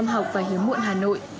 học và hiếm muộn hà nội